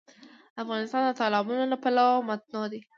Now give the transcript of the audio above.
افغانستان د تالابونه له پلوه متنوع دی.